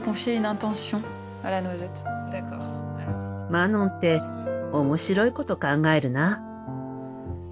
マノンって面白いこと考えるな。